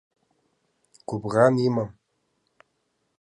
Гәыбӷан имам.